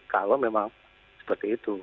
kalau memang seperti itu